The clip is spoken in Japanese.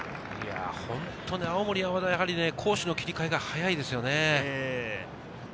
本当に青森山田は攻守の切り替えが早いですよね。